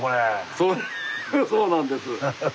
そうなんです。